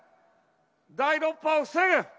第６波を防ぐ。